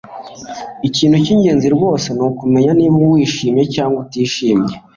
ikintu cyingenzi rwose nukumenya niba wishimye cyangwa utishimye